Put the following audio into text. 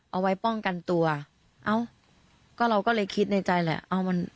เอาไว้ป้องกันตัวเอ้าก็เราก็เลยคิดในใจแหละเอามัน